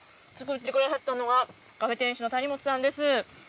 作ってくださったのが、カフェ店主の谷本さんです。